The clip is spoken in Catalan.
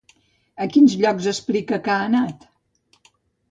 A quins llocs explica que ha anat?